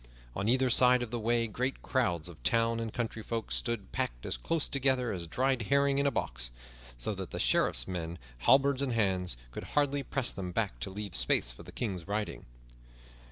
On either side of the way great crowds of town and country folk stood packed as close together as dried herring in a box, so that the Sheriffs men, halberds in hands, could hardly press them back to leave space for the King's riding.